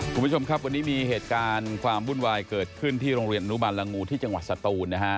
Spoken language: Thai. คุณผู้ชมครับวันนี้มีเหตุการณ์ความวุ่นวายเกิดขึ้นที่โรงเรียนอนุบาลงูที่จังหวัดสตูนนะฮะ